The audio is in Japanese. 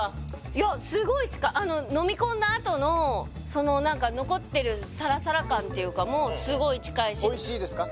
いやすごい近いのその何か残ってるサラサラ感っていうかもすごい近いしおいしいですか？